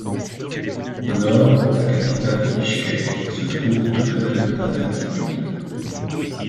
Au Nord, la capitale Bichkek se trouve tout de même à d'altitude.